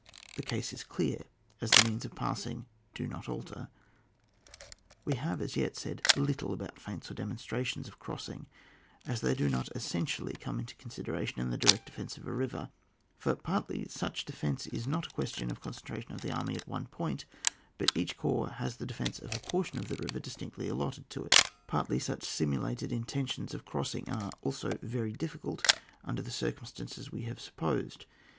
The case is clear, as the means of passing do not alter. We have as yet said little about feints or demonstrations of crossing, as they do not essentially come into consideration in the direct defence of a river, for partly such defence is not a question of concen tration of the army at one point, but each corps has the defence of a portion of the river distinctly i^otted to it|| partly such simulated intentions of cross , ing are also very difficult under the cir cumstances we have supposed.